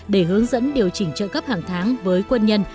để hướng dẫn điều chỉnh trợ cấp hàng tháng với quân nhân